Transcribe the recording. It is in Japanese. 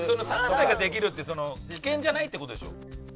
３歳ができるって危険じゃないって事でしょ？